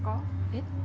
えっ？